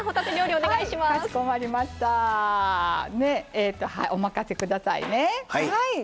お任せくださいね。